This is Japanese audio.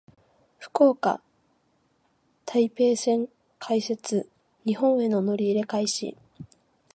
福岡・台北線開設。日本への乗り入れ開始。